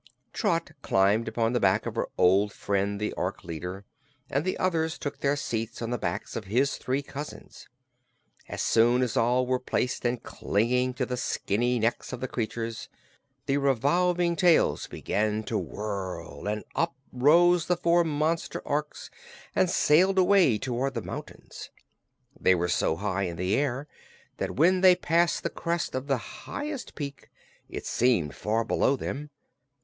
Trot climbed upon the back of her old friend, the Ork leader, and the others took their seats on the backs of his three cousins. As soon as all were placed and clinging to the skinny necks of the creatures, the revolving tails began to whirl and up rose the four monster Orks and sailed away toward the mountains. They were so high in the air that when they passed the crest of the highest peak it seemed far below them.